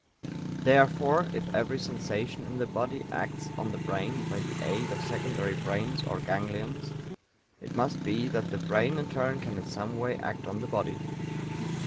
Therefore, if every sensation in the body acts on the brain by the aid of secondary brains or ganglions, it must be that the brain in turn can in some way act on the body.